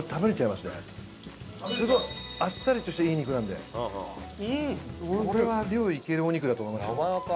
すごいあっさりとしたいい肉なのでこれは量いけるお肉だと思いますよ。